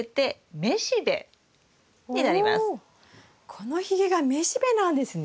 このひげが雌しべなんですね？